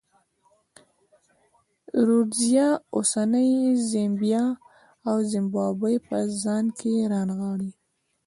رودزیا اوسنۍ زیمبیا او زیمبابوې په ځان کې رانغاړي.